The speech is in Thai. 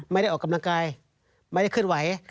ไม่ได้ออกกำลังกายไม่ได้เคลื่อนไหว